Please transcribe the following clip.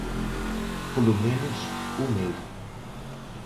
Polo menos, o meu.